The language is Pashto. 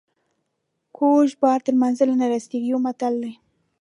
کوږ بار تر منزله نه رسیږي یو متل دی.